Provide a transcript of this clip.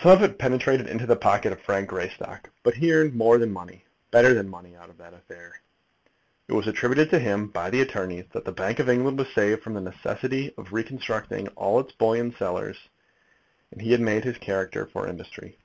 Some of it penetrated into the pocket of Frank Greystock; but he earned more than money, better than money, out of that affair. It was attributed to him by the attorneys that the Bank of England was saved from the necessity of reconstructing all its bullion cellars, and he had made his character for industry.